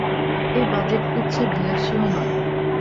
এ budget উচ্চাভিলাষীও নয়।